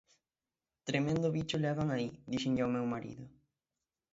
'Tremendo bicho levan aí', díxenlle ao meu marido.